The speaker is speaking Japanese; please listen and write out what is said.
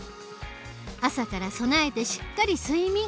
朝から備えてしっかり睡眠。